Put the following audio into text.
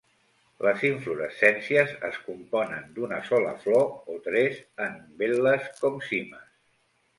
Les inflorescències es componen d'una sola flor o tres en umbel·les com cimes.